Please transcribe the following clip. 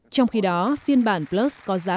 trong khi đó phiên bản plus có giá